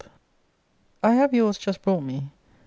I have your's; just brought me.